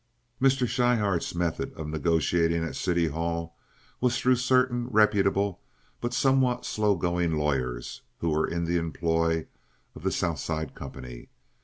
Mr. Schryhart's method of negotiating at City Hall was through certain reputable but somewhat slow going lawyers who were in the employ of the South Side company.